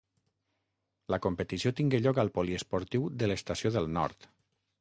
La competició tingué lloc al Poliesportiu de l'Estació del Nord.